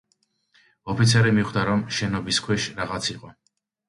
ოფიცერი მიხვდა რომ შენობის ქვეშ რაღაც იყო.